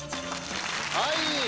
はい！